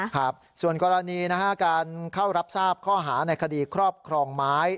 ครับส่วนกรณีนะฮะการเข้ารับทราบข้อหาในคดีครอบครองไม้